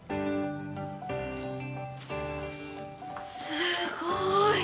すごい！